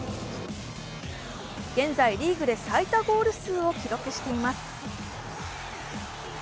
現在リーグで最多ゴール数を記録しています。